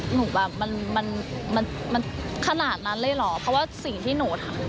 หนูแบบมันมันขนาดนั้นเลยเหรอเพราะว่าสิ่งที่หนูทำ